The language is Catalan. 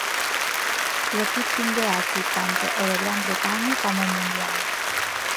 L'equip tingué èxits tant a la Gran Bretanya com al mundial.